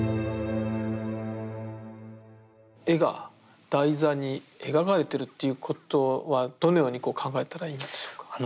絵が台座に描かれてるっていうことはどのように考えたらいいんでしょうか。